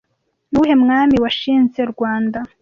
Ni uwuhe mwami washinze Rwanda